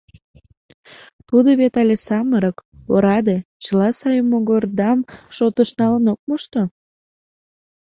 Тудо вет але самырык, ораде, чыла сай могырдам шотыш налын ок мошто.